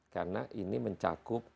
karena ini mencakup